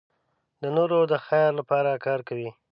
د نورو د خیر لپاره کار کوي.